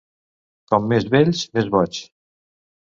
Com més vells, més boigs.